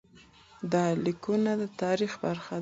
دا لیکونه د تاریخ برخه دي.